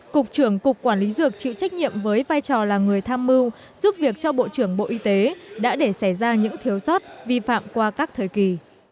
cục trưởng cục quản lý dược chịu trách nhiệm với vai trò là người tham mưu giúp việc cho bộ trưởng bộ y tế đã để xẻ ra những thiếu sót vi phạm qua các thời kỳ